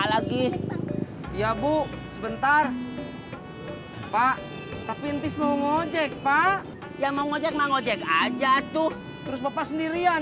lagi ya bu sebentar pak tapi ntis mau ngejek pak ya mau ngejek ngejek aja tuh terus bapak sendirian